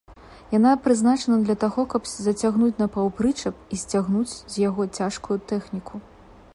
Яна прызначана для таго, каб зацягнуць на паўпрычэп і сцягнуць з яго цяжкую тэхніку.